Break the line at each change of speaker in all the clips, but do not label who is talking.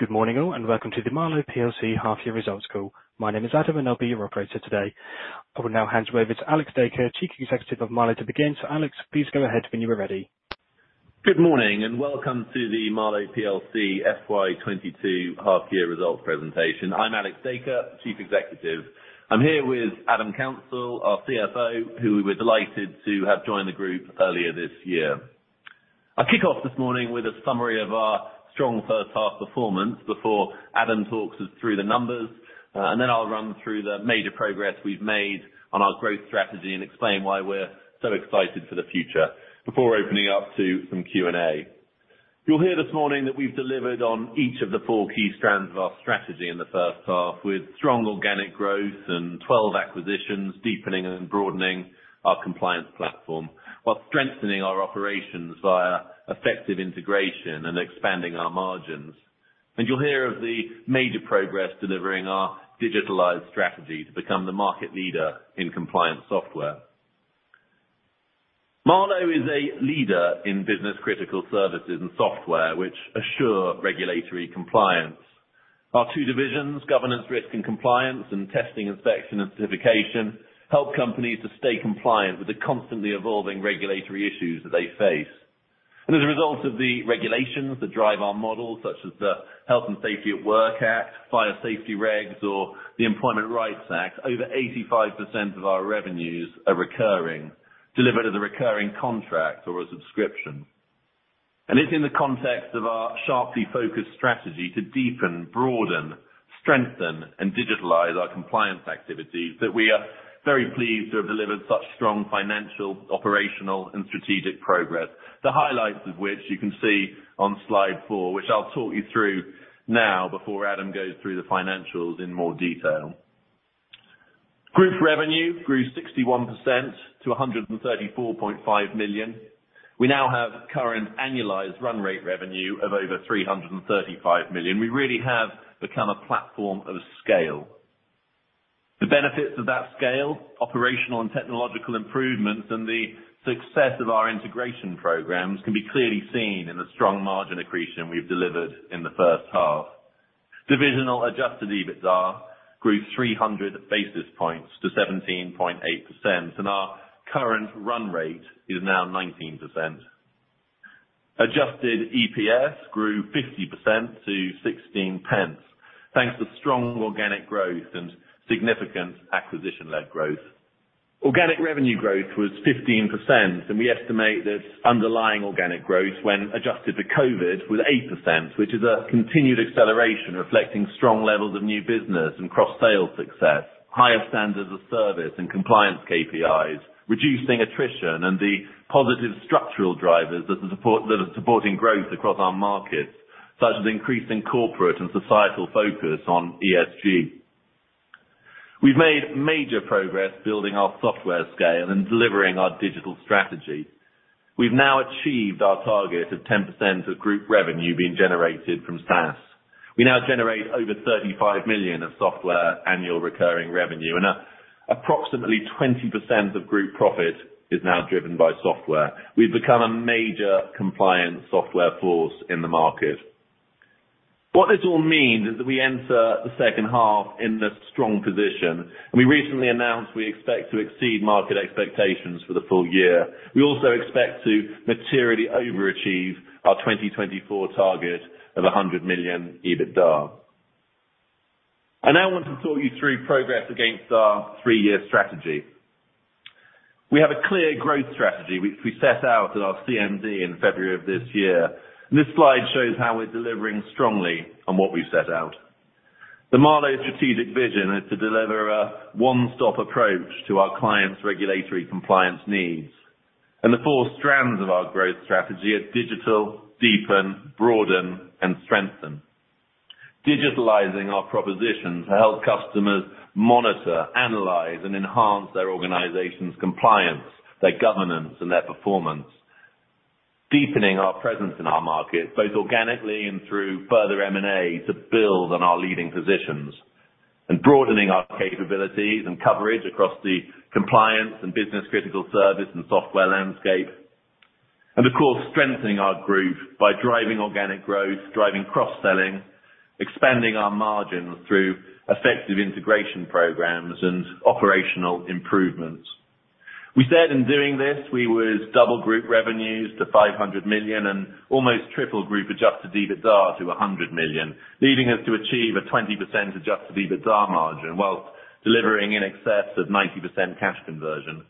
Good morning all, and welcome to the Marlowe plc half year results call. My name is Adam, and I'll be your operator today. I will now hand you over to Alex Dacre, Chief Executive of Marlowe to begin. Alex, please go ahead when you are ready.
Good morning, and welcome to the Marlowe plc FY 2022 half year results presentation. I'm Alex Dacre, Chief Executive. I'm here with Adam Councell, our CFO, who we're delighted to have joined the group earlier this year. I'll kick off this morning with a summary of our strong first half performance before Adam talks us through the numbers, and then I'll run through the major progress we've made on our growth strategy and explain why we're so excited for the future before opening up to some Q&A. You'll hear this morning that we've delivered on each of the four key strands of our strategy in the first half, with strong organic growth and 12 acquisitions, deepening and broadening our compliance platform while strengthening our operations via effective integration and expanding our margins. You'll hear of the major progress delivering our digitalized strategy to become the market leader in compliance software. Marlowe is a leader in business-critical services and software which assure regulatory compliance. Our two divisions, Governance, Risk and Compliance, and Testing, Inspection, and Certification, help companies to stay compliant with the constantly evolving regulatory issues that they face. As a result of the regulations that drive our model, such as the Health and Safety at Work Act, Fire Safety Regs, or the Employment Rights Act, over 85% of our revenues are recurring, delivered as a recurring contract or a subscription. It's in the context of our sharply focused strategy to deepen, broaden, strengthen, and digitalize our compliance activities that we are very pleased to have delivered such strong financial, operational and strategic progress. The highlights of which you can see on slide four, which I'll talk you through now before Adam goes through the financials in more detail. Group revenue grew 61% to 134.5 million. We now have current annualized run rate revenue of over 335 million. We really have become a platform of scale. The benefits of that scale, operational and technological improvements, and the success of our integration programs can be clearly seen in the strong margin accretion we've delivered in the first half. Divisional adjusted EBITDA grew 300 basis points to 17.8%, and our current run rate is now 19%. Adjusted EPS grew 50% to 16 pence thanks to strong organic growth and significant acquisition-led growth. Organic revenue growth was 15%, and we estimate that underlying organic growth when adjusted to COVID was 8%, which is a continued acceleration reflecting strong levels of new business and cross-sale success, higher standards of service and compliance KPIs, reducing attrition and the positive structural drivers that are supporting growth across our markets, such as increasing corporate and societal focus on ESG. We've made major progress building our software scale and delivering our digital strategy. We've now achieved our target of 10% of group revenue being generated from SaaS. We now generate over 35 million of software annual recurring revenue and approximately 20% of group profit is now driven by software. We've become a major compliance software force in the market. What this all means is that we enter the second half in the strong position, and we recently announced we expect to exceed market expectations for the full year. We also expect to materially overachieve our 2024 target of 100 million EBITDA. I now want to talk you through progress against our three-year strategy. We have a clear growth strategy which we set out at our CMD in February of this year. This slide shows how we're delivering strongly on what we've set out. The Marlowe strategic vision is to deliver a one-stop approach to our clients regulatory compliance needs. The four strands of our growth strategy are digital, deepen, broaden, and strengthen. Digitalizing our proposition to help customers monitor, analyze, and enhance their organization's compliance, their governance, and their performance. Deepening our presence in our markets, both organically and through further M&A to build on our leading positions. Broadening our capabilities and coverage across the compliance and business critical service and software landscape. Of course, strengthening our group by driving organic growth, driving cross-selling, expanding our margins through effective integration programs and operational improvements. We said in doing this, we would double group revenues to 500 million and almost triple group adjusted EBITDA to 100 million, leading us to achieve a 20% adjusted EBITDA margin while delivering in excess of 90% cash conversion.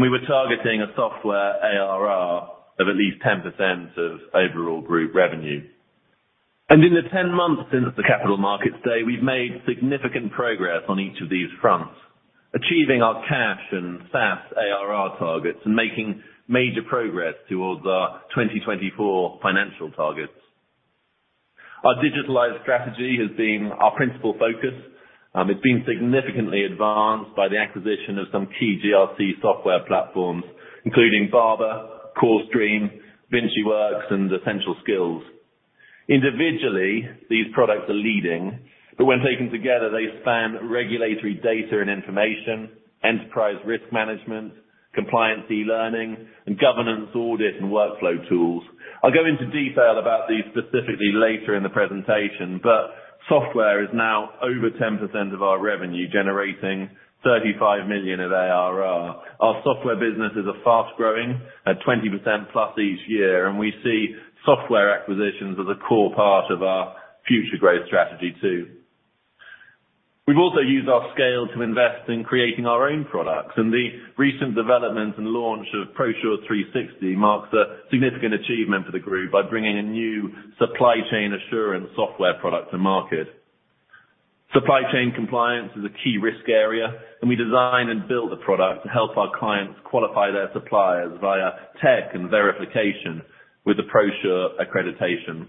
We were targeting a software ARR of at least 10% of overall group revenue. In the 10 months since the Capital Markets Day, we've made significant progress on each of these fronts, achieving our cash and SaaS ARR targets and making major progress towards our 2024 financial targets. Our digital strategy has been our principal focus. It's been significantly advanced by the acquisition of some key GRC software platforms, including Barbour, CoreStream, VinciWorks, and EssentialSkillz. Individually, these products are leading, but when taken together, they span regulatory data and information, enterprise risk management, compliance e-learning and governance audit and workflow tools. I'll go into detail about these specifically later in the presentation, but software is now over 10% of our revenue, generating 35 million of ARR. Our software businesses are fast growing at 20%+ each year, and we see software acquisitions as a core part of our future growth strategy too. We've also used our scale to invest in creating our own products and the recent developments and launch of ProSure 360 marks a significant achievement for the group by bringing a new supply chain assurance software product to market. Supply chain compliance is a key risk area, and we design and build a product to help our clients qualify their suppliers via tech and verification with the ProSure accreditation.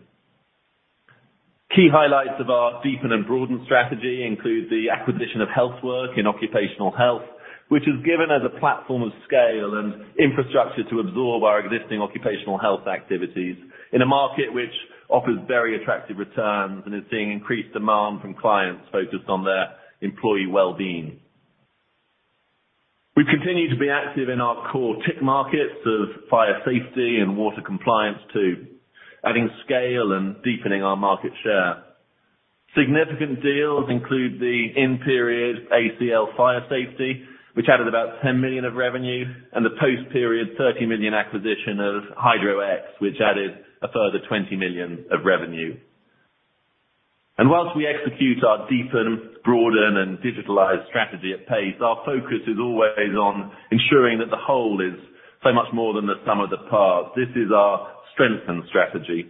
Key highlights of our Deepen and Broaden strategy include the acquisition of Healthwork in occupational health, which has given us a platform of scale and infrastructure to absorb our existing occupational health activities in a market which offers very attractive returns and is seeing increased demand from clients focused on their employee well-being. We continue to be active in our core TIC markets of fire safety and water compliance too, adding scale and deepening our market share. Significant deals include the in-period ACL Fire Safety, which added about 10 million of revenue and the post-period 30 million acquisition of Hydro-X, which added a further 20 million of revenue. While we execute our deepen, broaden and digitalize strategy at pace, our focus is always on ensuring that the whole is so much more than the sum of the parts. This is our strengthen strategy.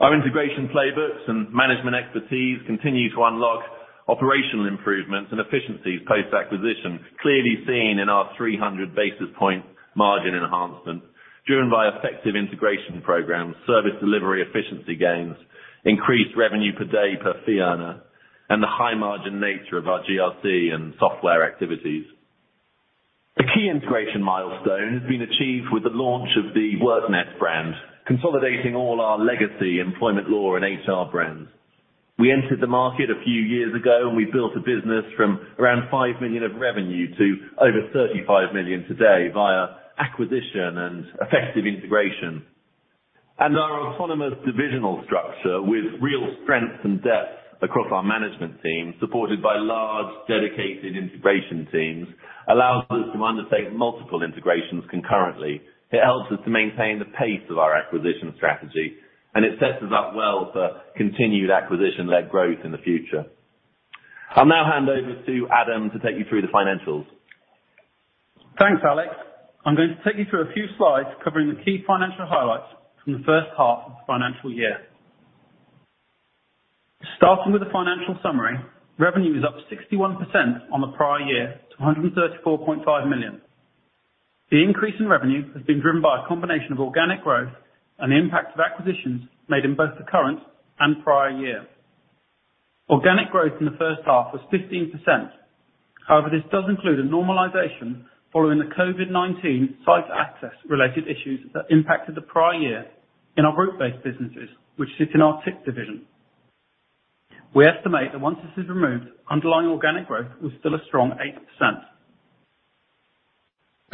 Our integration playbooks and management expertise continue to unlock operational improvements and efficiencies post-acquisition, clearly seen in our 300 basis point margin enhancement driven by effective integration programs, service delivery efficiency gains, increased revenue per day per fee earner, and the high margin nature of our GRC and software activities. A key integration milestone has been achieved with the launch of the WorkNest brand, consolidating all our legacy employment law and HR brands. We entered the market a few years ago, and we built a business from around 5 million of revenue to over 35 million today via acquisition and effective integration. Our autonomous divisional structure with real strength and depth across our management team, supported by large dedicated integration teams, allows us to undertake multiple integrations concurrently. It helps us to maintain the pace of our acquisition strategy, and it sets us up well for continued acquisition-led growth in the future. I'll now hand over to Adam to take you through the financials.
Thanks, Alex. I'm going to take you through a few slides covering the key financial highlights from the first half of the financial year. Starting with the financial summary, revenue is up 61% on the prior year to 134.5 million. The increase in revenue has been driven by a combination of organic growth and the impact of acquisitions made in both the current and prior year. Organic growth in the first half was 15%. However, this does include a normalization following the COVID-19 site access related issues that impacted the prior year in our group-based businesses, which sit in our TIC division. We estimate that once this is removed, underlying organic growth was still a strong 8%.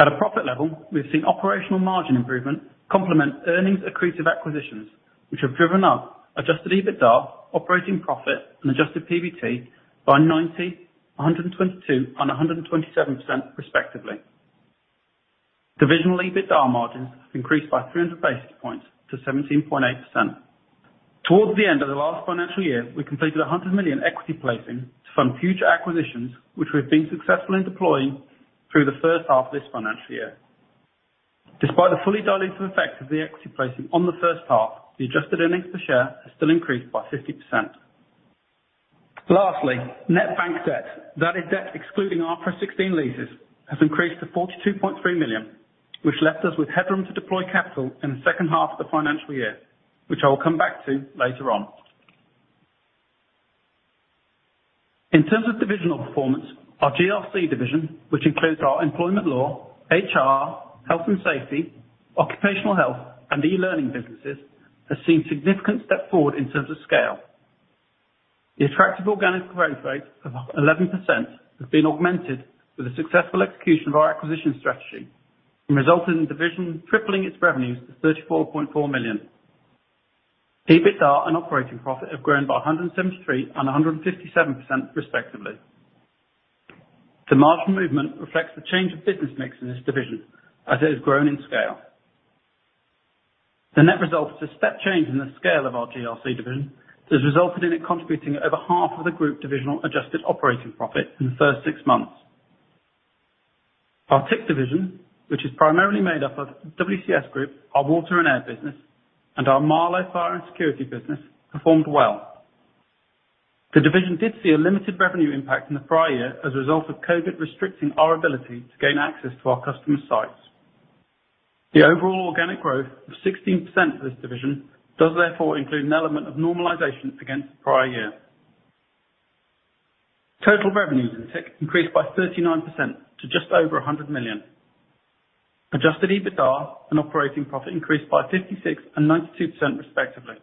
At a profit level, we've seen operational margin improvement complement earnings accretive acquisitions, which have driven up adjusted EBITDA, operating profit and adjusted PBT by 90%, 122%, and 127% respectively. Divisional EBITDA margins increased by 300 basis points to 17.8%. Towards the end of the last financial year, we completed a 100 million equity placing to fund future acquisitions, which we've been successful in deploying through the first half of this financial year. Despite the fully dilutive effect of the equity placing on the first half, the adjusted earnings per share has still increased by 50%. Lastly, net bank debt. That is, debt excluding our IFRS 16 leases has increased to 42.3 million, which left us with headroom to deploy capital in the second half of the financial year, which I will come back to later on. In terms of divisional performance, our GRC division, which includes our employment law, HR, health and safety, occupational health, and e-learning businesses, has seen significant step forward in terms of scale. The attractive organic growth rate of 11% has been augmented with the successful execution of our acquisition strategy and resulted in the division tripling its revenues to 34.4 million. EBITDA and operating profit have grown by 173% and 157% respectively. The margin movement reflects the change of business mix in this division as it has grown in scale. The net result is a step change in the scale of our GRC division that has resulted in it contributing over half of the group divisional adjusted operating profit in the first six months. Our TIC division, which is primarily made up of WCS Group, our water and air business, and our Marlowe Fire & Security business, performed well. The division did see a limited revenue impact in the prior year as a result of COVID restricting our ability to gain access to our customers' sites. The overall organic growth of 16% for this division does therefore include an element of normalization against the prior year. Total revenues in TIC increased by 39% to just over 100 million. Adjusted EBITDA and operating profit increased by 56% and 92% respectively.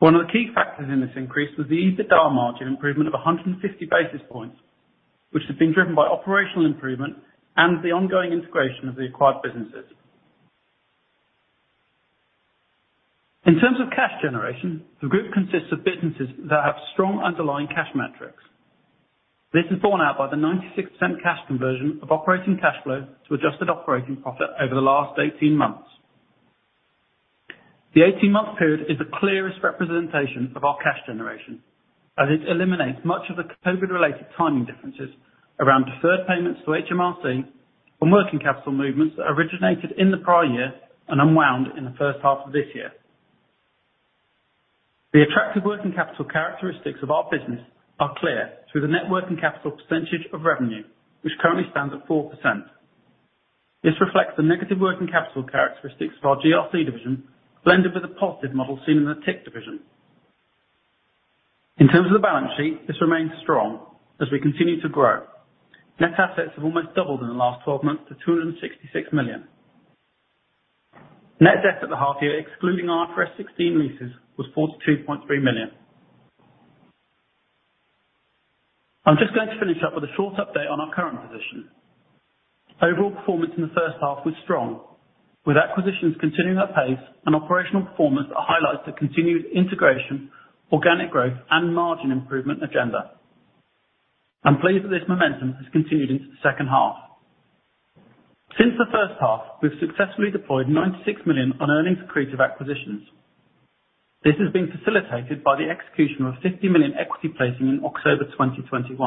One of the key factors in this increase was the EBITDA margin improvement of 150 basis points, which has been driven by operational improvement and the ongoing integration of the acquired businesses. In terms of cash generation, the group consists of businesses that have strong underlying cash metrics. This is borne out by the 96% cash conversion of operating cash flow to adjusted operating profit over the last 18 months. The 18-month period is the clearest representation of our cash generation as it eliminates much of the COVID-related timing differences around deferred payments to HMRC from working capital movements that originated in the prior year and unwound in the first half of this year. The attractive working capital characteristics of our business are clear through the net working capital percentage of revenue, which currently stands at 4%. This reflects the negative working capital characteristics of our GRC division, blended with a positive model seen in the TIC division. In terms of the balance sheet, this remains strong as we continue to grow. Net assets have almost doubled in the last 12 months to 266 million. Net debt at the half year, excluding our IFRS 16 leases, was 42.3 million. I'm just going to finish up with a short update on our current position. Overall performance in the first half was strong, with acquisitions continuing at pace and operational performance that highlights the continued integration, organic growth, and margin improvement agenda. I'm pleased that this momentum has continued into the second half. Since the first half, we've successfully deployed 96 million on earnings accretive acquisitions. This has been facilitated by the execution of 50 million equity placing in October 2021.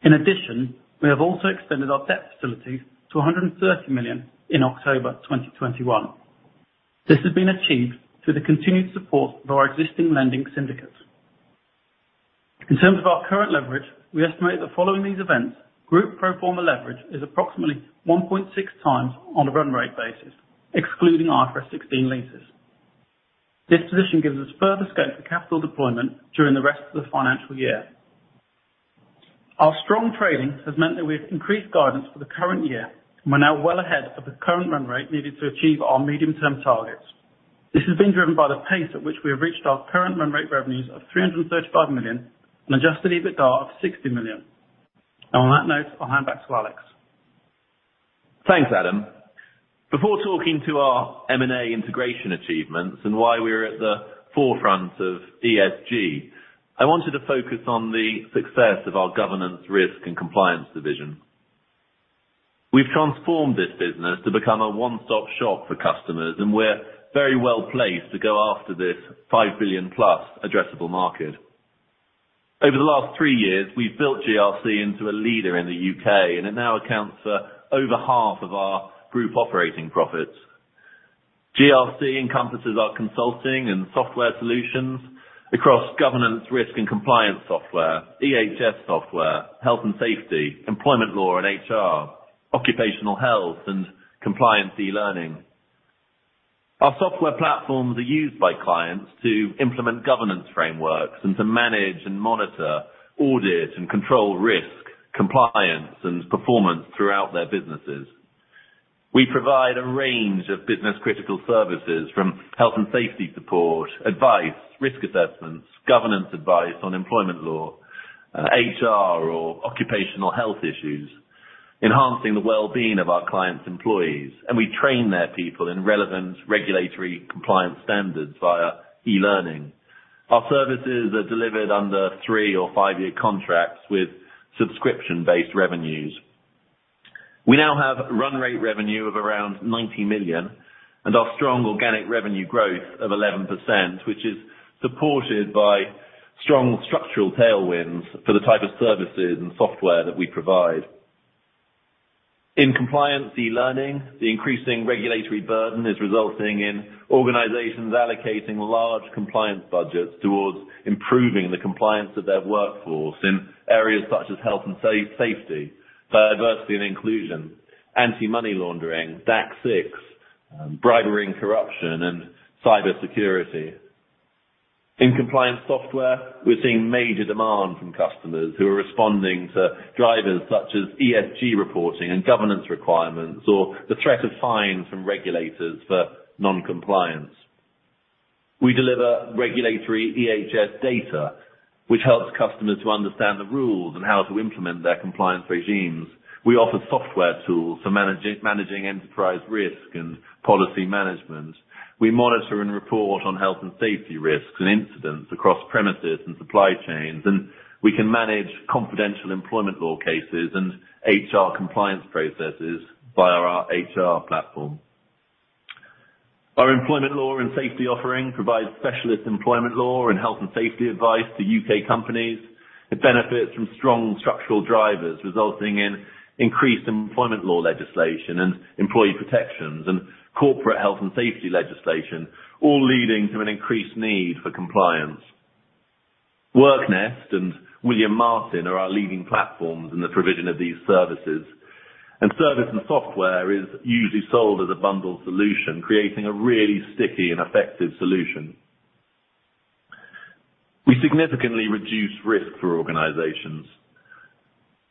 In addition, we have also extended our debt facilities to 130 million in October 2021. This has been achieved through the continued support of our existing lending syndicate. In terms of our current leverage, we estimate that following these events, group pro forma leverage is approximately 1.6x on a run rate basis, excluding IFRS 16 leases. This position gives us further scope for capital deployment during the rest of the financial year. Our strong trading has meant that we have increased guidance for the current year, and we're now well ahead of the current run rate needed to achieve our medium-term targets. This has been driven by the pace at which we have reached our current run rate revenues of 335 million and adjusted EBITDA of 60 million. On that note, I'll hand back to Alex.
Thanks, Adam. Before talking to our M&A integration achievements and why we're at the forefront of ESG, I wanted to focus on the success of our governance risk and compliance division. We've transformed this business to become a one-stop shop for customers, and we're very well placed to go after this 5 billion+ addressable market. Over the last three years, we've built GRC into a leader in the U.K., and it now accounts for over half of our group operating profits. GRC encompasses our consulting and software solutions across governance, risk, and compliance software, EHS software, health and safety, employment law and HR, occupational health, and compliance e-learning. Our software platforms are used by clients to implement governance frameworks and to manage and monitor, audit, and control risk, compliance, and performance throughout their businesses. We provide a range of business critical services from health and safety support, advice, risk assessments, governance advice on employment law, HR or occupational health issues, enhancing the well-being of our clients' employees, and we train their people in relevant regulatory compliance standards via e-learning. Our services are delivered under three or five-year contracts with subscription-based revenues. We now have run rate revenue of around 90 million and our strong organic revenue growth of 11%, which is supported by strong structural tailwinds for the type of services and software that we provide. In compliance e-learning, the increasing regulatory burden is resulting in organizations allocating large compliance budgets towards improving the compliance of their workforce in areas such as health and safety, diversity and inclusion, anti-money laundering, DAC6, bribery and corruption, and cybersecurity. In compliance software, we're seeing major demand from customers who are responding to drivers such as ESG reporting and governance requirements or the threat of fines from regulators for non-compliance. We deliver regulatory EHS data, which helps customers to understand the rules and how to implement their compliance regimes. We offer software tools for managing enterprise risk and policy management. We monitor and report on health and safety risks and incidents across premises and supply chains, and we can manage confidential employment law cases and HR compliance processes via our HR platform. Our employment law and safety offering provides specialist employment law and health and safety advice to U.K. companies. It benefits from strong structural drivers, resulting in increased employment law legislation and employee protections and corporate health and safety legislation, all leading to an increased need for compliance. WorkNest and William Martin are our leading platforms in the provision of these services, and service and software is usually sold as a bundled solution, creating a really sticky and effective solution. We significantly reduce risk for organizations.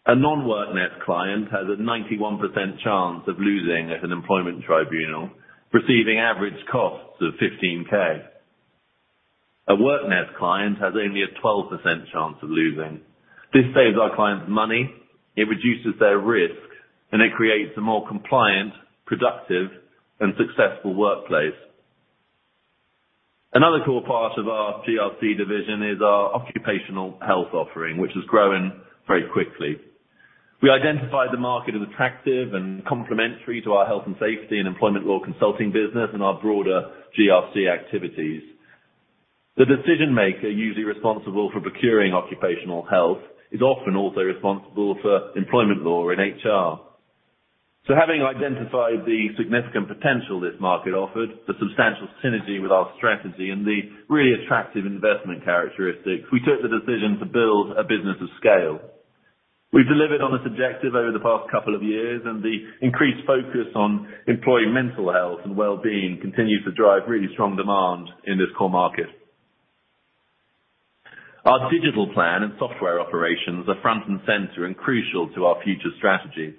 A non-WorkNest client has a 91% chance of losing at an employment tribunal, receiving average costs of 15,000. A WorkNest client has only a 12% chance of losing. This saves our clients money, it reduces their risk, and it creates a more compliant, productive, and successful workplace. Another core part of our GRC division is our occupational health offering, which is growing very quickly. We identified the market as attractive and complementary to our health and safety and employment law consulting business and our broader GRC activities. The decision maker usually responsible for procuring occupational health is often also responsible for employment law in HR. Having identified the significant potential this market offered, the substantial synergy with our strategy, and the really attractive investment characteristics, we took the decision to build a business of scale. We've delivered on this objective over the past couple of years, and the increased focus on employee mental health and well-being continues to drive really strong demand in this core market. Our digital plan and software operations are front and center and crucial to our future strategy.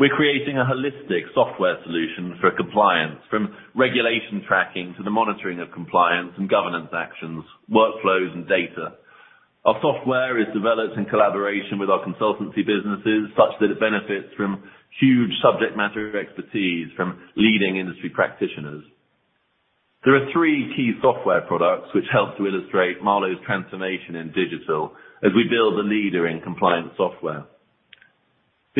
We're creating a holistic software solution for compliance, from regulation tracking to the monitoring of compliance and governance actions, workflows, and data. Our software is developed in collaboration with our consultancy businesses such that it benefits from huge subject matter expertise from leading industry practitioners. There are three key software products which help to illustrate Marlowe's transformation in digital as we build a leader in compliance software.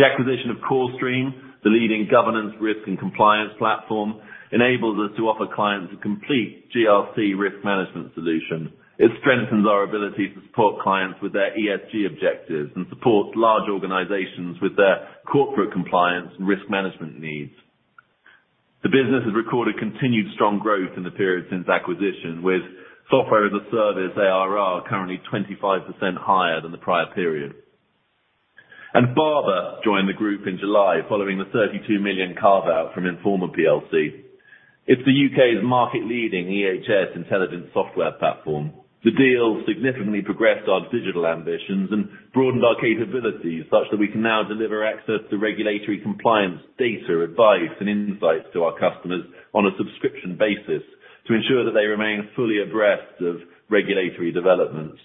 The acquisition of CoreStream, the leading governance risk and compliance platform, enables us to offer clients a complete GRC risk management solution. It strengthens our ability to support clients with their ESG objectives and supports large organizations with their corporate compliance and risk management needs. The business has recorded continued strong growth in the period since acquisition, with software as a service ARR currently 25% higher than the prior period. Barbour joined the group in July following the 32 million carve-out from Informa plc. It's the U.K.'s market-leading EHS intelligence software platform. The deal significantly progressed our digital ambitions and broadened our capabilities such that we can now deliver access to regulatory compliance data, advice, and insights to our customers on a subscription basis to ensure that they remain fully abreast of regulatory developments.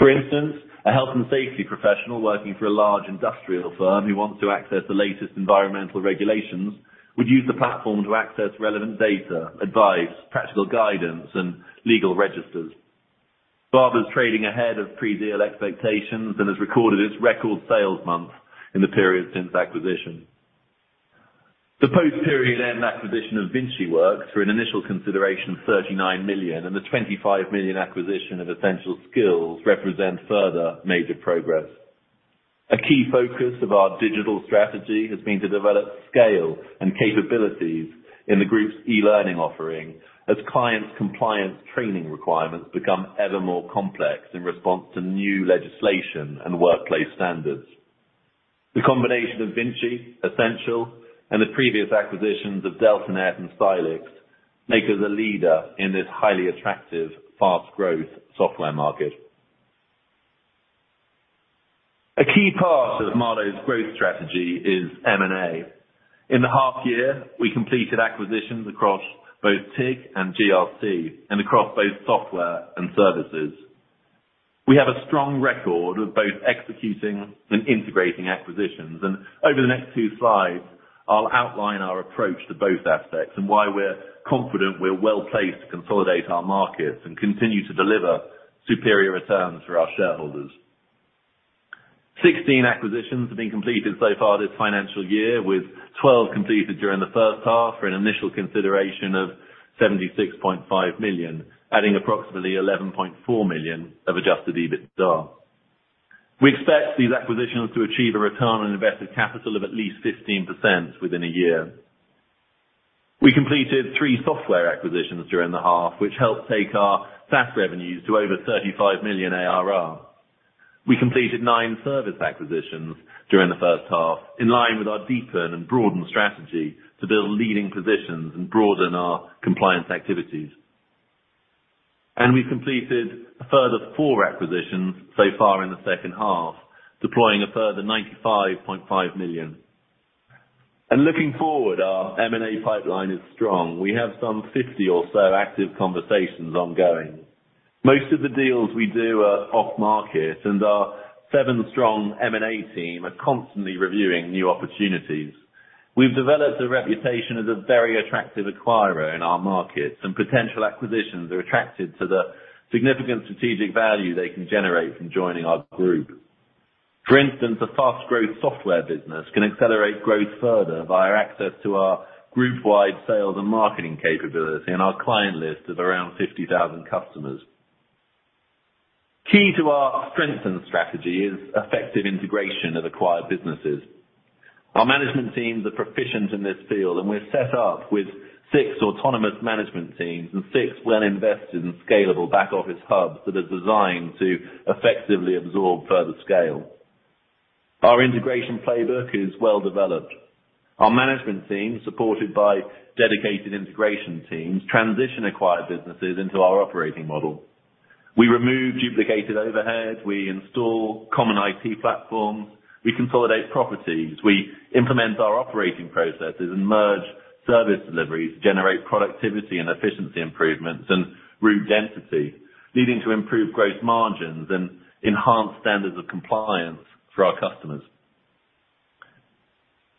For instance, a health and safety professional working for a large industrial firm who wants to access the latest environmental regulations would use the platform to access relevant data, advice, practical guidance, and legal registers. Barbour's trading ahead of pre-deal expectations and has recorded its record sales month in the period since acquisition. The post-period end acquisition of VinciWorks for an initial consideration of 39 million and the 25 million acquisition of EssentialSkillz represent further major progress. A key focus of our digital strategy has been to develop scale and capabilities in the group's e-learning offering as clients' compliance training requirements become ever more complex in response to new legislation and workplace standards. The combination of VinciWorks, EssentialSkillz, and the previous acquisitions of DeltaNet and Silex make us a leader in this highly attractive, fast-growth software market. A key part of Marlowe's growth strategy is M&A. In the half year, we completed acquisitions across both TIC and GRC and across both software and services. We have a strong record of both executing and integrating acquisitions, and over the next two slides, I'll outline our approach to both aspects and why we're confident we're well-placed to consolidate our markets and continue to deliver superior returns for our shareholders. 16 acquisitions have been completed so far this financial year, with 12 completed during the first half for an initial consideration of 76.5 million, adding approximately 11.4 million of adjusted EBITDA. We expect these acquisitions to achieve a return on invested capital of at least 15% within a year. We completed three software acquisitions during the half, which helped take our SaaS revenues to over 35 million ARR. We completed nine service acquisitions during the first half, in line with our deepen and broaden strategy to build leading positions and broaden our compliance activities. We've completed a further four acquisitions so far in the second half, deploying a further 95.5 million. Looking forward, our M&A pipeline is strong. We have some 50 or so active conversations ongoing. Most of the deals we do are off market, and our seven strong M&A team are constantly reviewing new opportunities. We've developed a reputation as a very attractive acquirer in our markets, and potential acquisitions are attracted to the significant strategic value they can generate from joining our group. For instance, a fast-growth software business can accelerate growth further via access to our group-wide sales and marketing capability and our client list of around 50,000 customers. Key to our strengthening strategy is effective integration of acquired businesses. Our management teams are proficient in this field, and we're set up with six autonomous management teams and six well-invested and scalable back-office hubs that are designed to effectively absorb further scale. Our integration playbook is well developed. Our management team, supported by dedicated integration teams, transition acquired businesses into our operating model. We remove duplicated overhead, we install common IT platforms, we consolidate properties, we implement our operating processes and merge service deliveries, generate productivity and efficiency improvements and route density, leading to improved growth margins and enhanced standards of compliance for our customers.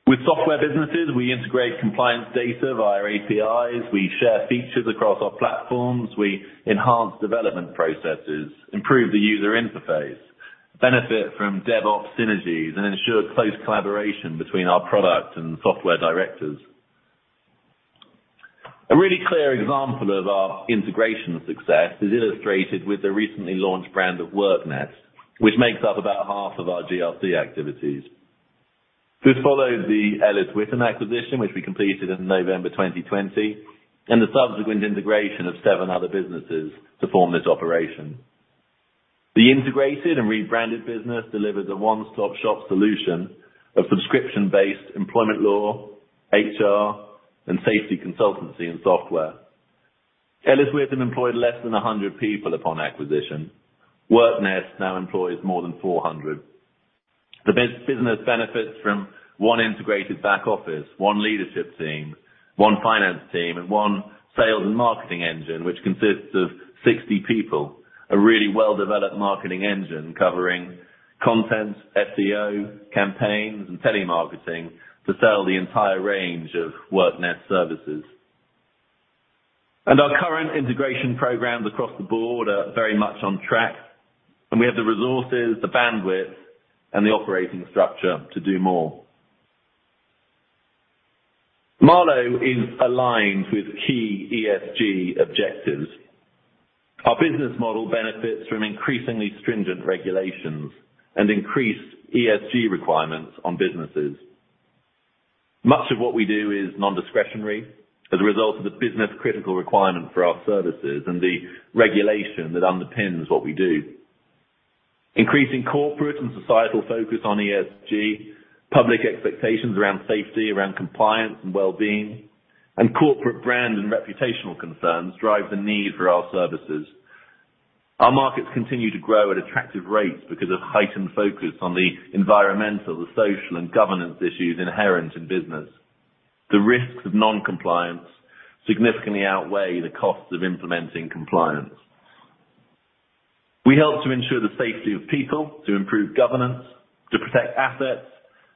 With software businesses, we integrate compliance data via APIs. We share features across our platforms. We enhance development processes, improve the user interface, benefit from DevOps synergies, and ensure close collaboration between our product and software directors. A really clear example of our integration success is illustrated with the recently launched brand of WorkNest, which makes up about half of our GRC activities. This follows the Ellis Whittam acquisition, which we completed in November 2020, and the subsequent integration of seven other businesses to form this operation. The integrated and rebranded business delivers a one-stop-shop solution of subscription-based employment law, HR, and safety consultancy and software. Ellis Whittam employed less than 100 people upon acquisition. WorkNest now employs more than 400. The business benefits from one integrated back office, one leadership team, one finance team and one sales and marketing engine, which consists of 60 people. A really well-developed marketing engine covering content, SEO, campaigns, and telemarketing to sell the entire range of WorkNest services. Our current integration programs across the board are very much on track, and we have the resources, the bandwidth, and the operating structure to do more. Marlowe is aligned with key ESG objectives. Our business model benefits from increasingly stringent regulations and increased ESG requirements on businesses. Much of what we do is non-discretionary as a result of the business-critical requirement for our services and the regulation that underpins what we do. Increasing corporate and societal focus on ESG, public expectations around safety, around compliance and well-being, and corporate brand and reputational concerns drive the need for our services. Our markets continue to grow at attractive rates because of heightened focus on the environmental, the social and governance issues inherent in business. The risks of non-compliance significantly outweigh the costs of implementing compliance. We help to ensure the safety of people, to improve governance, to protect assets,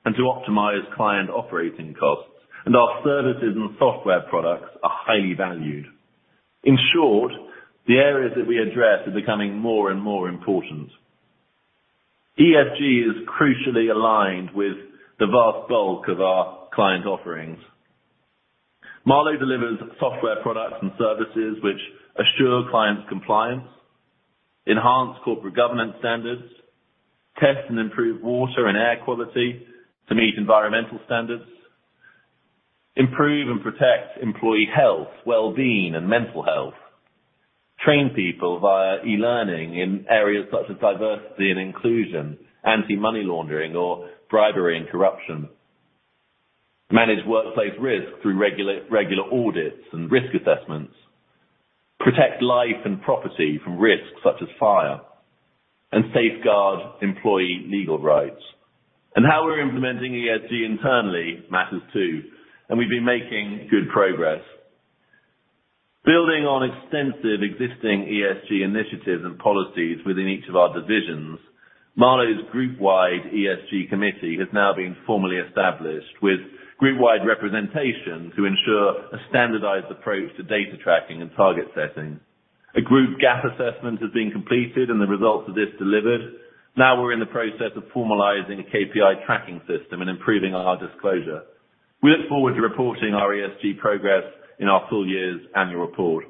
and to optimize client operating costs. Our services and software products are highly valued. In short, the areas that we address are becoming more and more important. ESG is crucially aligned with the vast bulk of our client offerings. Marlowe delivers software products and services which assure clients' compliance, enhance corporate governance standards, test and improve water and air quality to meet environmental standards, improve and protect employee health, well-being, and mental health, train people via e-learning in areas such as diversity and inclusion, anti-money laundering or bribery and corruption, manage workplace risk through regular audits and risk assessments, protect life and property from risks such as fire and safeguard employee legal rights. How we're implementing ESG internally matters too, and we've been making good progress. Building on extensive existing ESG initiatives and policies within each of our divisions, Marlowe's group-wide ESG committee has now been formally established with group-wide representation to ensure a standardized approach to data tracking and target setting. A group gap assessment has been completed and the results of this delivered. Now we're in the process of formalizing a KPI tracking system and improving our disclosure. We look forward to reporting our ESG progress in our full year's annual report.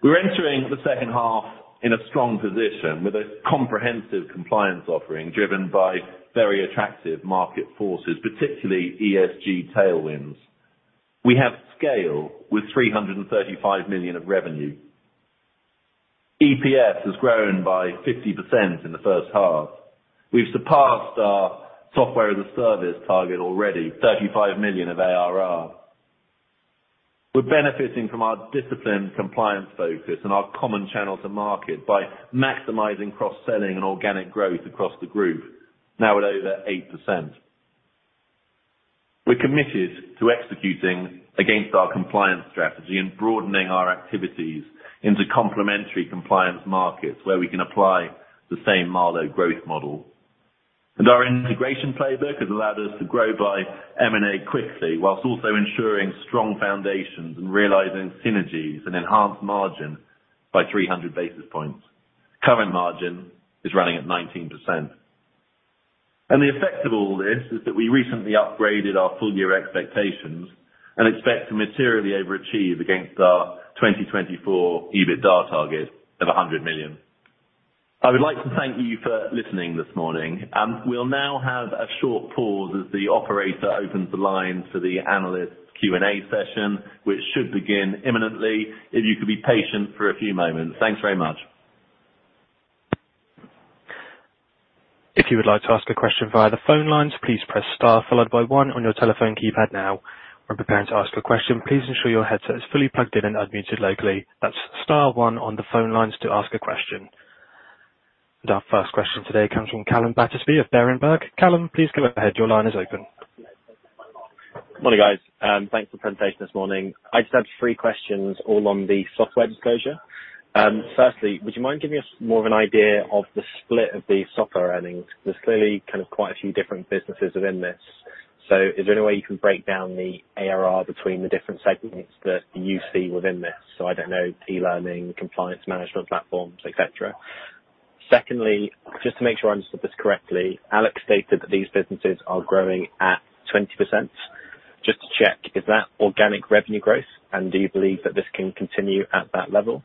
We're entering the second half in a strong position with a comprehensive compliance offering driven by very attractive market forces, particularly ESG tailwinds. We have scale with 335 million of revenue. EPS has grown by 50% in the first half. We've surpassed our software as a service target already, 35 million of ARR. We're benefiting from our disciplined compliance focus and our common channel to market by maximizing cross-selling and organic growth across the group now at over 8%. We're committed to executing against our compliance strategy and broadening our activities into complementary compliance markets where we can apply the same Marlowe growth model. Our integration playbook has allowed us to grow by M&A quickly, while also ensuring strong foundations and realizing synergies and enhanced margin by 300 basis points. Current margin is running at 19%. The effect of all this is that we recently upgraded our full year expectations and expect to materially overachieve against our 2024 EBITDA target of 100 million. I would like to thank you for listening this morning, and we'll now have a short pause as the operator opens the line for the analyst Q&A session, which should begin imminently if you could be patient for a few moments. Thanks very much.
If you would like to ask a question via the phone lines, please press star followed by one on your telephone keypad now. When preparing to ask a question, please ensure your headset is fully plugged in and unmuted locally. That's star one on the phone lines to ask a question. Our first question today comes from Calum Battersby of Berenberg. Calum, please go ahead. Your line is open.
Morning, guys. Thanks for the presentation this morning. I just have three questions all on the software disclosure. Firstly, would you mind giving us more of an idea of the split of the software earnings? There's clearly kind of quite a few different businesses within this. Is there any way you can break down the ARR between the different segments that you see within this? I don't know, e-learning, compliance management platforms, et cetera. Secondly, just to make sure I understood this correctly, Alex stated that these businesses are growing at 20%. Just to check, is that organic revenue growth, and do you believe that this can continue at that level?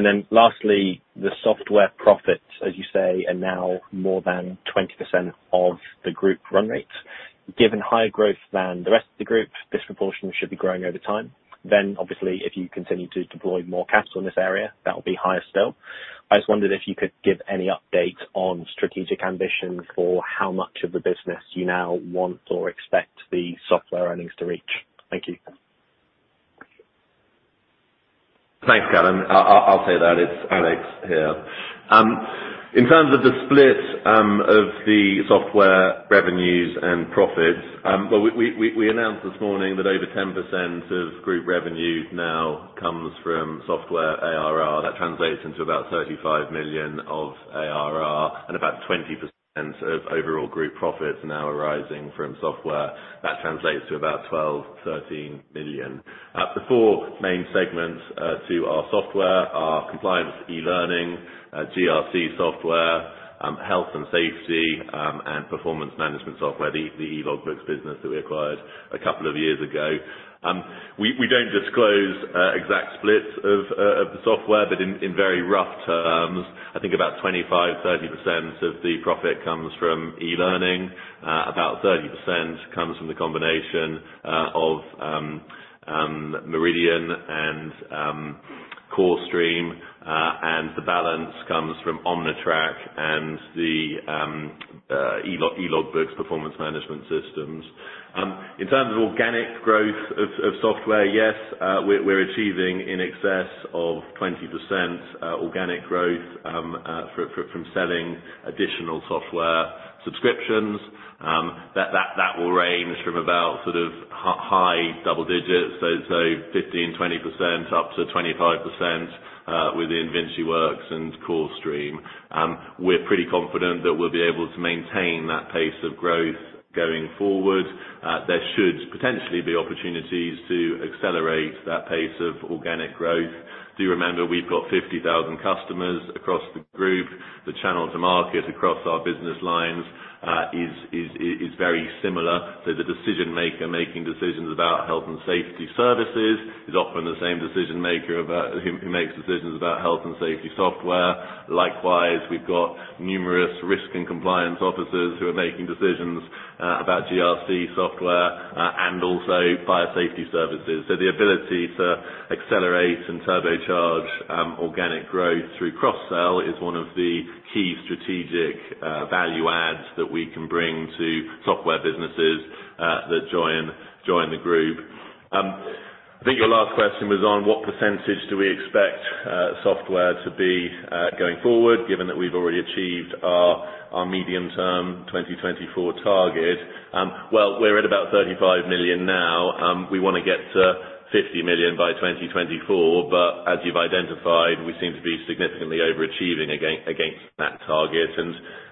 Then lastly, the software profits, as you say, are now more than 20% of the group run rate. Given higher growth than the rest of the group, this proportion should be growing over time. Obviously, if you continue to deploy more capital in this area, that will be higher still. I just wondered if you could give any update on strategic ambition for how much of the business you now want or expect the software earnings to reach. Thank you.
Thanks, Calum. I'll say that. It's Alex here. In terms of the split of the software revenues and profits, well, we announced this morning that over 10% of group revenue now comes from software ARR. That translates into about 35 million of ARR and about 20% of overall group profits now arising from software. That translates to about 12 million-13 million. The four main segments to our software are compliance e-learning, GRC software, health and safety, and performance management software, the Elogbooks business that we acquired a couple of years ago. We don't disclose exact splits of the software, but in very rough terms, I think about 25%-30% of the profit comes from e-learning. About 30% comes from the combination of Meridian and CoreStream. And the balance comes from Omnitrack and the Elogbooks performance management systems. In terms of organic growth of software, yes, we're achieving in excess of 20% organic growth from selling additional software subscriptions. That will range from about sort of high double digits, so 15%, 20% up to 25% within VinciWorks and CoreStream. We're pretty confident that we'll be able to maintain that pace of growth going forward. There should potentially be opportunities to accelerate that pace of organic growth. Do remember we've got 50,000 customers across the group. The channel to market across our business lines is very similar to the decision maker making decisions about health and safety services. It's often the same decision-maker about who makes decisions about health and safety software. Likewise, we've got numerous risk and compliance officers who are making decisions about GRC software and also fire safety services. The ability to accelerate and turbocharge organic growth through cross-sell is one of the key strategic value adds that we can bring to software businesses that join the group. I think your last question was on what percentage do we expect software to be going forward, given that we've already achieved our medium-term 2024 target. Well, we're at about 35 million now. We wanna get to 50 million by 2024. As you've identified, we seem to be significantly overachieving again against that target.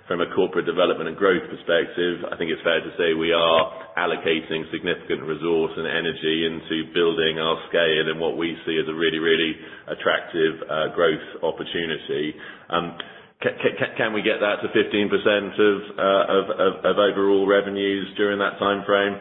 From a corporate development and growth perspective, I think it's fair to say we are allocating significant resource and energy into building our scale and what we see as a really, really attractive growth opportunity. Can we get that to 15% of overall revenues during that timeframe?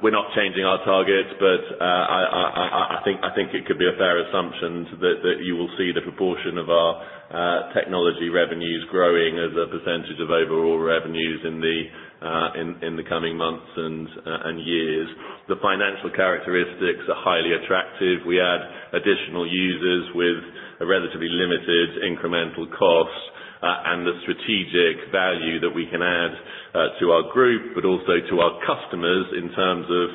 We're not changing our target, but I think it could be a fair assumption that you will see the proportion of our technology revenues growing as a percentage of overall revenues in the coming months and years. The financial characteristics are highly attractive. We add additional users with a relatively limited incremental cost, and the strategic value that we can add to our group, but also to our customers in terms of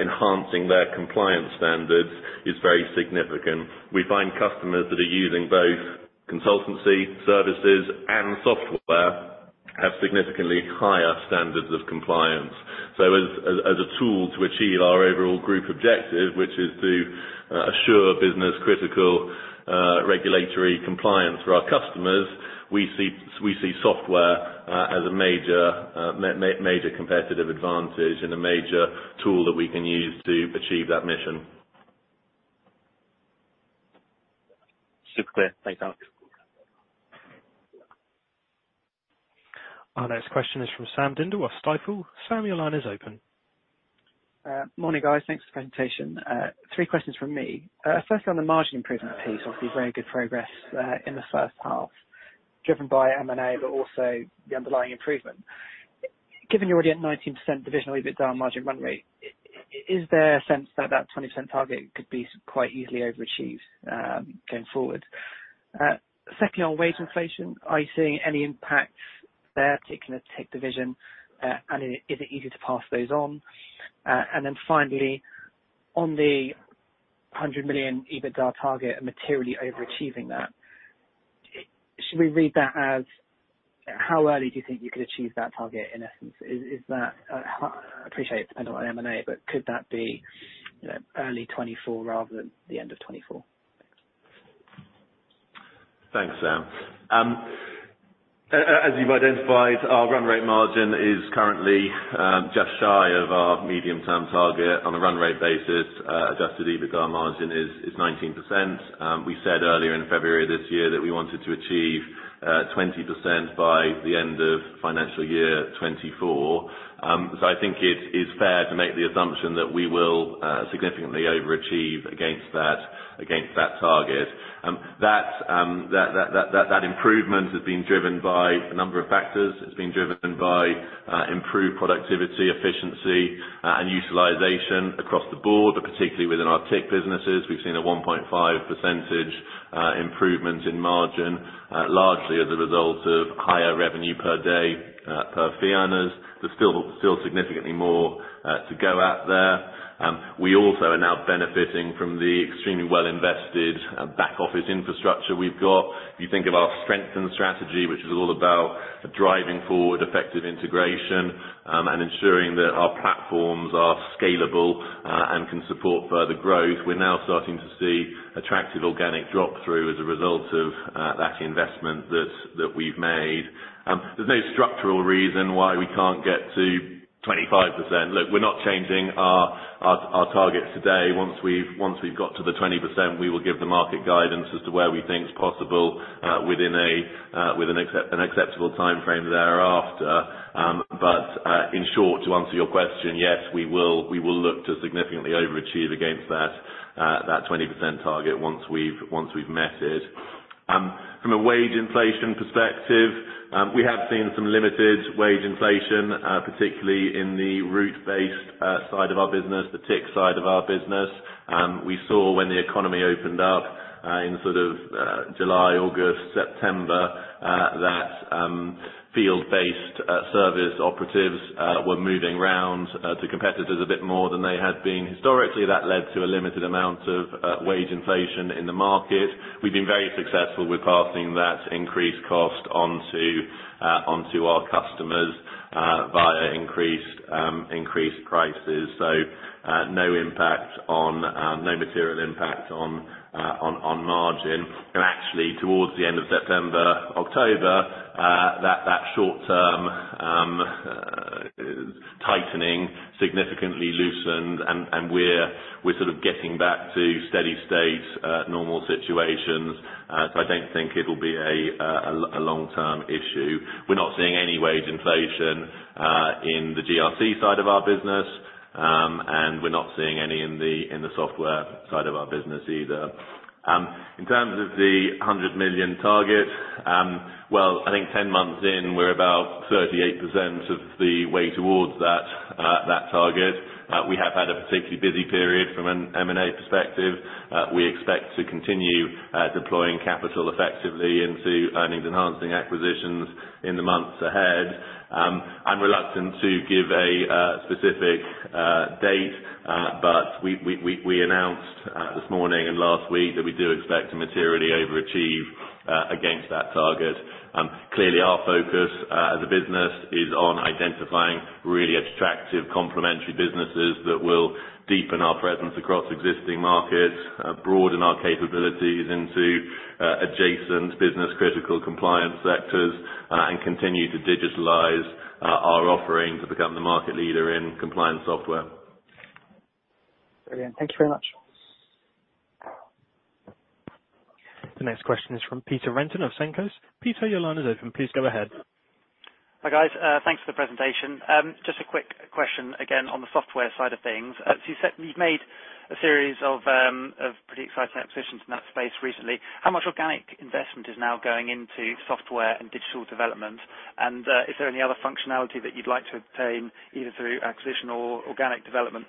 enhancing their compliance standards is very significant. We find customers that are using both consultancy services and software have significantly higher standards of compliance. As a tool to achieve our overall group objective, which is to assure business-critical regulatory compliance for our customers, we see software as a major competitive advantage and a major tool that we can use to achieve that mission.
Super clear. Thanks, Alex.
Our next question is from Sam Dindol of Stifel. Sam, your line is open.
Morning, guys. Thanks for the presentation. Three questions from me. First on the margin improvement piece. Obviously, very good progress in the first half, driven by M&A, but also the underlying improvement. Given you're already at 19% divisionally, EBITDA margin run rate, is there a sense that that 20% target could be quite easily overachieved going forward? Second, on wage inflation, are you seeing any impacts there, particularly tech division, and is it easy to pass those on? And then finally, on the 100 million EBITDA target and materially overachieving that, should we read that as how early do you think you could achieve that target, in essence? I appreciate it's dependent on M&A, but could that be, you know, early 2024 rather than the end of 2024?
Thanks, Sam. As you've identified, our run rate margin is currently just shy of our medium-term target. On a run rate basis, adjusted EBITDA margin is 19%. We said earlier in February this year that we wanted to achieve 20% by the end of financial year 2024. I think it is fair to make the assumption that we will significantly overachieve against that target. That improvement has been driven by a number of factors. It's been driven by improved productivity, efficiency, and utilization across the board, but particularly within our tech businesses. We've seen a 1.5 percentage-point improvement in margin largely as a result of higher revenue per day per fee earners. There's still significantly more to go at there. We also are now benefiting from the extremely well-invested back office infrastructure we've got. If you think of our strengthening strategy, which is all about driving forward effective integration and ensuring that our platforms are scalable and can support further growth, we're now starting to see attractive organic drop through as a result of that investment that we've made. There's no structural reason why we can't get to 25%. Look, we're not changing our targets today. Once we've got to the 20%, we will give the market guidance as to where we think is possible within an acceptable timeframe thereafter. In short, to answer your question, yes, we will look to significantly overachieve against that 20% target once we've met it. From a wage inflation perspective, we have seen some limited wage inflation, particularly in the route-based side of our business, the TIC side of our business. We saw when the economy opened up in sort of July, August, September that field-based service operatives were moving around to competitors a bit more than they had been historically. That led to a limited amount of wage inflation in the market. We've been very successful with passing that increased cost onto our customers via increased prices. No material impact on margin. Actually, towards the end of September, October, that short-term tightening significantly loosened and we're sort of getting back to steady-state normal situations. I don't think it'll be a long-term issue. We're not seeing any wage inflation in the GRC side of our business, and we're not seeing any in the software side of our business either. In terms of the 100 million target, I think 10 months in, we're about 38% of the way towards that target. We have had a particularly busy period from an M&A perspective. We expect to continue deploying capital effectively into earnings enhancing acquisitions in the months ahead. I'm reluctant to give a specific date, but we announced this morning and last week that we do expect to materially overachieve against that target. Clearly, our focus, as a business is on identifying really attractive complementary businesses that will deepen our presence across existing markets, broaden our capabilities into, adjacent business-critical compliance sectors, and continue to digitalize, our offering to become the market leader in compliance software.
Brilliant. Thank you very much.
The next question is from Peter Renton of Cavendish. Peter, your line is open. Please go ahead.
Hi, guys, thanks for the presentation. Just a quick question, again, on the software side of things. As you said, you've made a series of pretty exciting acquisitions in that space recently. How much organic investment is now going into software and digital development? Is there any other functionality that you'd like to obtain either through acquisition or organic development?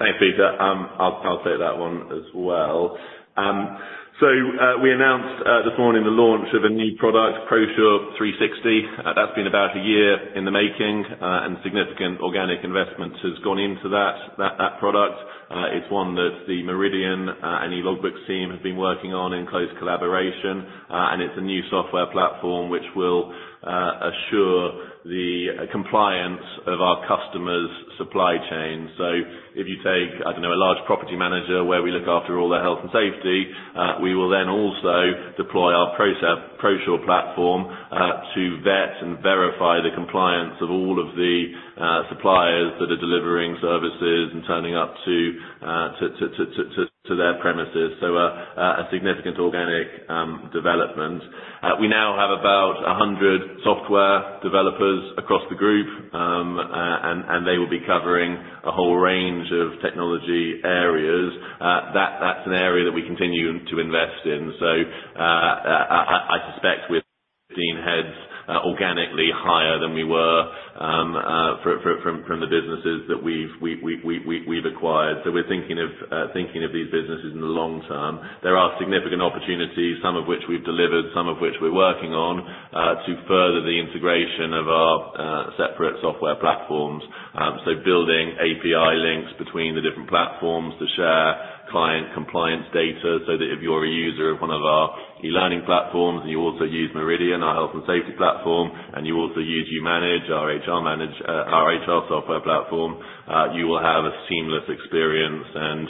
Thanks, Peter. I'll take that one as well. We announced this morning the launch of a new product, ProSure 360. That's been about a year in the making, and significant organic investment has gone into that product. It's one that the Meridian and Elogbooks team have been working on in close collaboration. It's a new software platform which will assure the compliance of our customers' supply chain. If you take, I don't know, a large property manager where we look after all their health and safety, we will then also deploy our ProSure platform to vet and verify the compliance of all of the suppliers that are delivering services and turning up to their premises. A significant organic development. We now have about 100 software developers across the group, and they will be covering a whole range of technology areas. That's an area that we continue to invest in. I suspect we've seen headcount organically higher than we were from the businesses that we've acquired. We're thinking of these businesses in the long term. There are significant opportunities, some of which we've delivered, some of which we're working on to further the integration of our separate software platforms. Building API links between the different platforms to share client compliance data, so that if you're a user of one of our e-learning platforms, and you also use Meridian, our health and safety platform, and you also use YouManage, our HR software platform, you will have a seamless experience and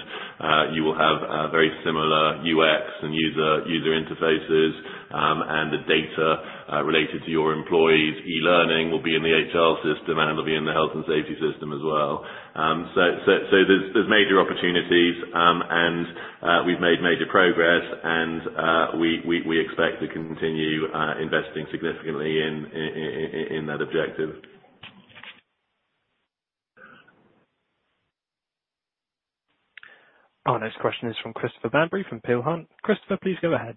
you will have a very similar UX and user interfaces. The data related to your employees' e-learning will be in the HR system and it'll be in the health and safety system as well. There's major opportunities, and we've made major progress and we expect to continue investing significantly in that objective.
Our next question is from Christopher Bamberry, from Peel Hunt. Christopher, please go ahead.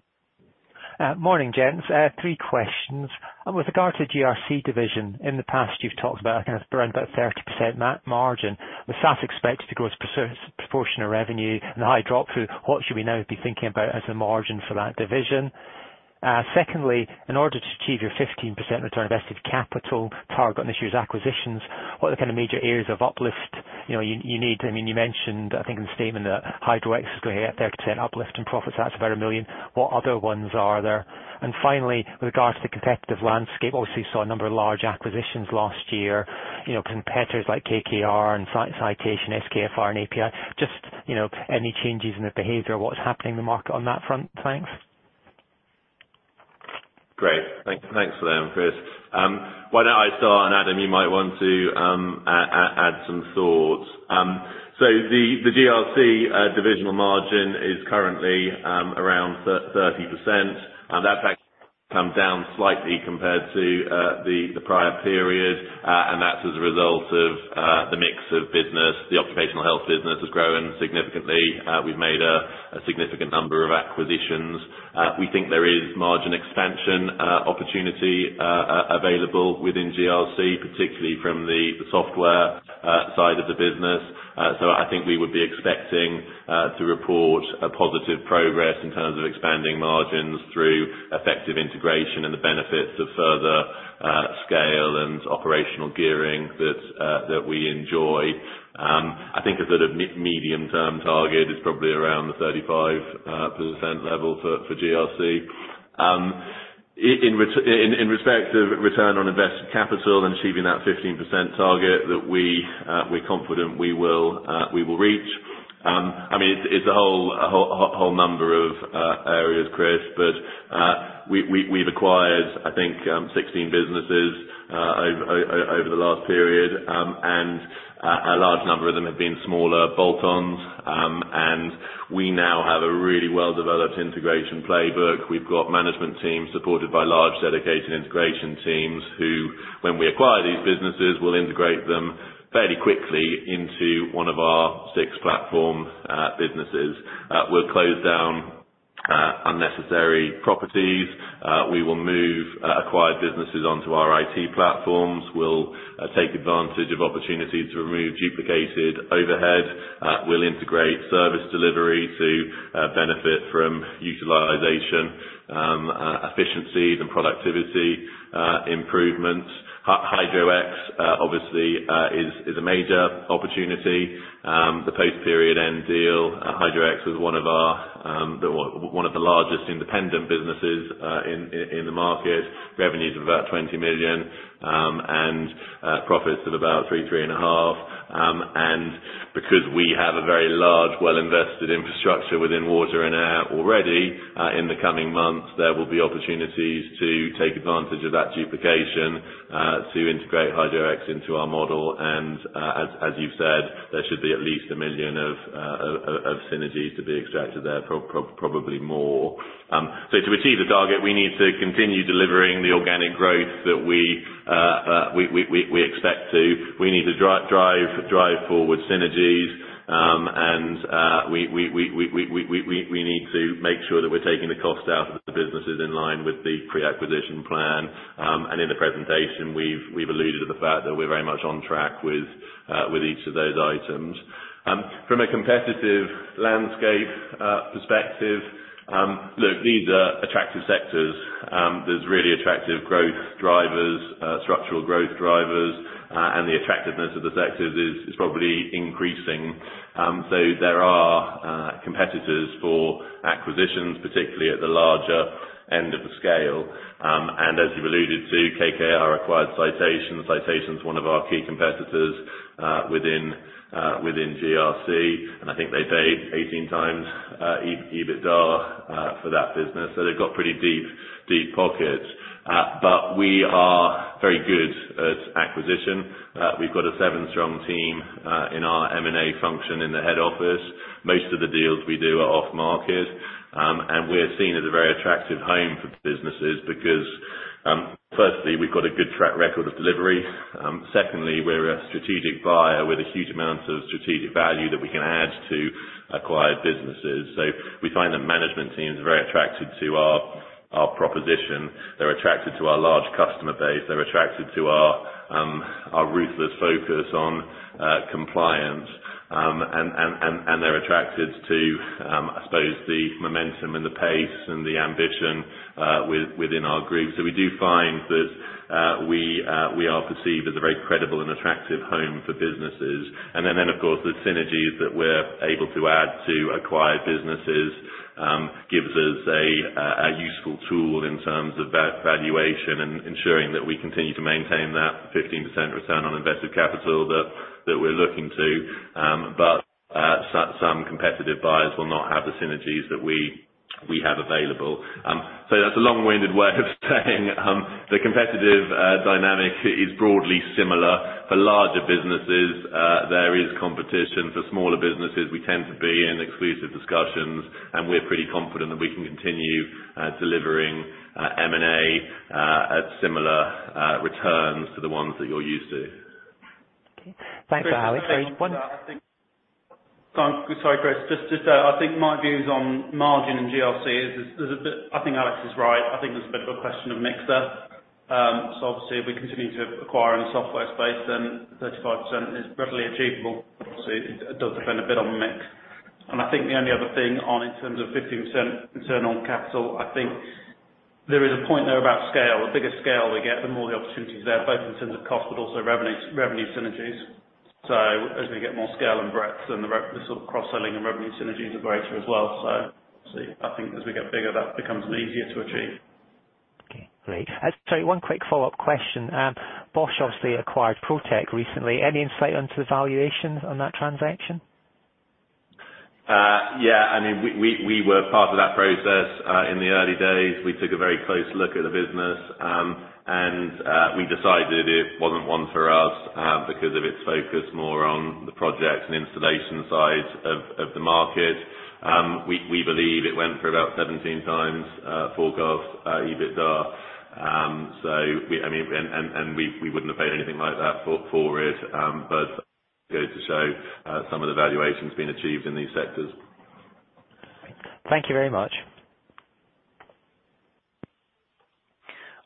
Morning, gents. Three questions. With regard to GRC division, in the past you've talked about kind of around about 30% margin. With SaaS expected to grow as a proportion of revenue and a high drop-through, what should we now be thinking about as a margin for that division? Secondly, in order to achieve your 15% return on invested capital target on this year's acquisitions, what are the kind of major areas of uplift, you know, you need? I mean, you mentioned, I think in the statement that Hydro-X is gonna have 30% uplift in profits. That's about 1 million. What other ones are there? Finally, with regards to competitive landscape, obviously you saw a number of large acquisitions last year. You know, competitors like KKR and Citation, SKFR and API. Just, you know, any changes in the behavior, what's happening in the market on that front? Thanks.
Great. Thanks for that, Chris. Why don't I start and Adam, you might want to add some thoughts. So the GRC divisional margin is currently around 30%. That's actually come down slightly compared to the prior period. That's as a result of the mix of business. The occupational health business has grown significantly. We've made a significant number of acquisitions. We think there is margin expansion opportunity available within GRC, particularly from the software side of the business. I think we would be expecting to report positive progress in terms of expanding margins through effective integration and the benefits of further scale and operational gearing that we enjoy. I think a sort of medium term target is probably around the 35% level for GRC. In respect of return on invested capital and achieving that 15% target that we're confident we will reach. I mean, it's a whole number of areas, Chris. We've acquired, I think, 16 businesses over the last period. A large number of them have been smaller bolt-ons. We now have a really well-developed integration playbook. We've got management teams supported by large dedicated integration teams, who when we acquire these businesses, will integrate them fairly quickly into one of our six platform businesses. We'll close down unnecessary properties. We will move acquired businesses onto our IT platforms. We'll take advantage of opportunities to remove duplicated overhead. We'll integrate service delivery to benefit from utilization, efficiency and productivity improvements. Hydro-X obviously is a major opportunity. The post-period end deal. Hydro-X was one of the largest independent businesses in the market. Revenues of about 20 million and profits of about three and a half. Because we have a very large well-invested infrastructure within water and air already, in the coming months, there will be opportunities to take advantage of that duplication to integrate Hydro-X into our model. As you've said, there should be at least a million of synergies to be extracted there, probably more. To achieve the target, we need to continue delivering the organic growth that we expect to. We need to drive forward synergies, and we need to make sure that we're taking the cost out of the businesses in line with the pre-acquisition plan. In the presentation, we've alluded to the fact that we're very much on track with each of those items. From a competitive landscape perspective, look, these are attractive sectors. There's really attractive growth drivers, structural growth drivers. The attractiveness of the sectors is probably increasing. There are competitors for acquisitions, particularly at the larger end of the scale. As you've alluded to, KKR acquired Citation. Citation is one of our key competitors within GRC, and I think they paid 18x EBITDA for that business. They've got pretty deep pockets. We are very good at acquisition. We've got a seven strong team in our M&A function in the head office. Most of the deals we do are off-market. We're seen as a very attractive home for businesses because firstly, we've got a good track record of delivery. Secondly, we're a strategic buyer with a huge amount of strategic value that we can add to acquired businesses. We find that management teams are very attracted to our proposition. They're attracted to our large customer base. They're attracted to our ruthless focus on compliance. They're attracted to, I suppose, the momentum and the pace and the ambition within our group. We do find that we are perceived as a very credible and attractive home for businesses. Of course, the synergies that we're able to add to acquired businesses gives us a useful tool in terms of valuation and ensuring that we continue to maintain that 15% return on invested capital that we're looking to. Some competitive buyers will not have the synergies that we have available. That's a long-winded way of saying the competitive dynamic is broadly similar. For larger businesses, there is competition. For smaller businesses, we tend to be in exclusive discussions, and we're pretty confident that we can continue delivering M&A at similar returns to the ones that you're used to.
Okay. Thanks, Alex.
Sorry, Chris. I think my views on margin and GRC is there's a bit. I think Alex is right. I think there's a bit of a question of mix there. Obviously if we continue to acquire in the software space, then 35% is readily achievable. It does depend a bit on the mix. I think the only other thing in terms of 15% return on capital. I think there is a point there about scale. The bigger scale we get, the more the opportunities there, both in terms of cost, but also revenue synergies. As we get more scale and breadth, then the sort of cross-selling and revenue synergies are greater as well. Obviously, I think as we get bigger, that becomes easier to achieve.
Okay, great. Sorry, one quick follow-up question. Bosch obviously acquired Protec recently. Any insight into the valuations on that transaction?
Yeah. I mean, we were part of that process in the early days. We took a very close look at the business and we decided it wasn't one for us because of its focus more on the projects and installation side of the market. We believe it went for about 17x full year EBITDA. I mean, we wouldn't have paid anything like that for it. It goes to show some of the valuations being achieved in these sectors.
Thank you very much.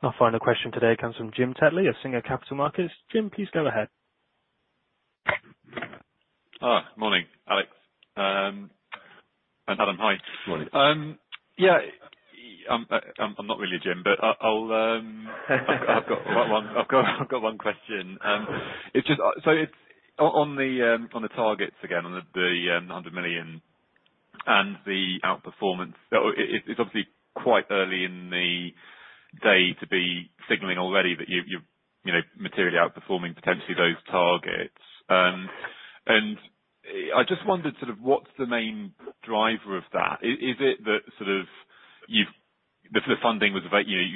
Our final question today comes from James Tetley of Singer Capital Markets. Jim, please go ahead.
Morning, Alex, and Adam, hi.
Morning.
I'm not really Jim, but I've got one question. It's just on the targets again, on the 100 million and the outperformance. It's obviously quite early in the day to be signaling already that you're you know materially outperforming potentially those targets. I just wondered sort of what's the main driver of that? Is it that you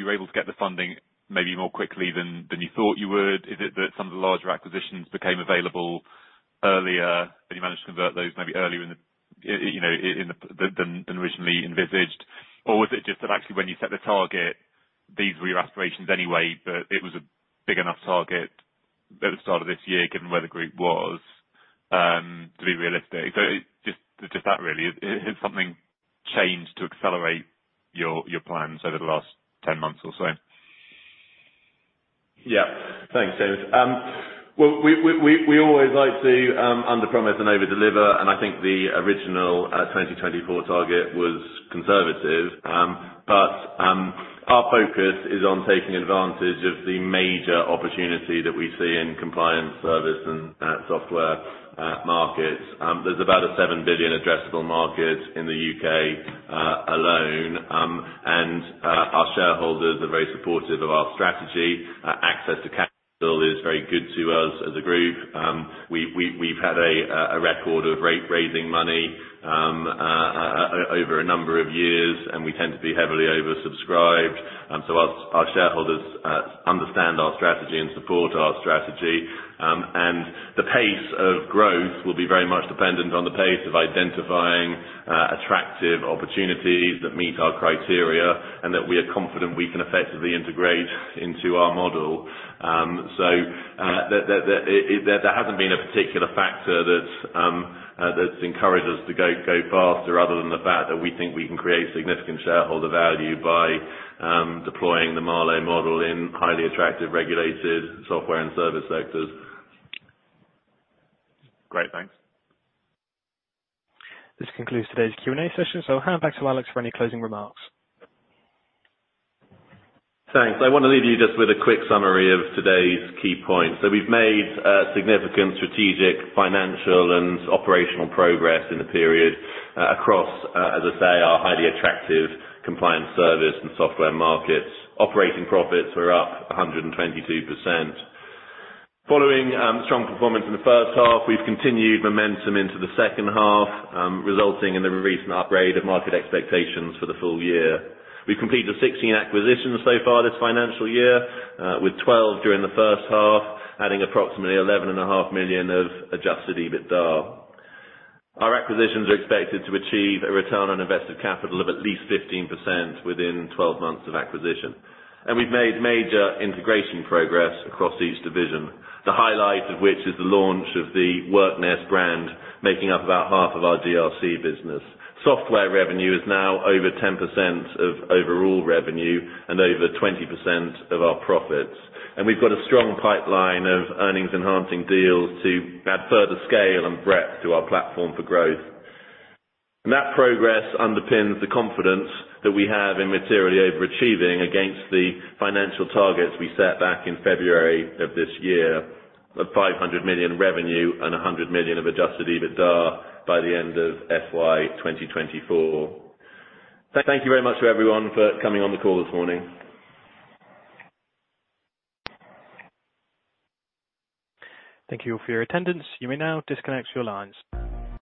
were able to get the funding maybe more quickly than you thought you would? Is it that some of the larger acquisitions became available earlier, and you managed to convert those maybe earlier than originally envisaged? Was it just that actually when you set the target, these were your aspirations anyway, but it was a big enough target at the start of this year, given where the group was, to be realistic? Just that really. Has something changed to accelerate your plans over the last 10 months or so?
Yeah. Thanks, James. We always like to underpromise and overdeliver, and I think the original 2024 target was conservative. Our focus is on taking advantage of the major opportunity that we see in compliance service and software markets. There's about a 7 billion addressable market in the U.K. alone. Our shareholders are very supportive of our strategy. Access to capital is very good to us as a group. We've had a record of raising money over a number of years, and we tend to be heavily oversubscribed. Our shareholders understand our strategy and support our strategy. The pace of growth will be very much dependent on the pace of identifying attractive opportunities that meet our criteria and that we are confident we can effectively integrate into our model. So, there hasn't been a particular factor that's encouraged us to go faster other than the fact that we think we can create significant shareholder value by deploying the Marlowe model in highly attractive regulated software and service sectors.
Great. Thanks.
This concludes today's Q&A session. I'll hand back to Alex for any closing remarks.
Thanks. I wanna leave you just with a quick summary of today's key points. We've made significant strategic, financial, and operational progress in the period across, as I say, our highly attractive compliance service and software markets. Operating profits are up 122%. Following strong performance in the first half, we've continued momentum into the second half, resulting in the recent upgrade of market expectations for the full year. We've completed 16 acquisitions so far this financial year, with 12 during the first half, adding approximately 11.5 million of adjusted EBITDA. Our acquisitions are expected to achieve a return on invested capital of at least 15% within 12 months of acquisition. We've made major integration progress across each division, the highlight of which is the launch of the WorkNest brand, making up about half of our GRC business. Software revenue is now over 10% of overall revenue and over 20% of our profits. We've got a strong pipeline of earnings-enhancing deals to add further scale and breadth to our platform for growth. That progress underpins the confidence that we have in materially overachieving against the financial targets we set back in February of this year, of 500 million revenue and 100 million of adjusted EBITDA by the end of FY 2024. Thank you very much to everyone for coming on the call this morning.
Thank you for your attendance. You may now disconnect your lines.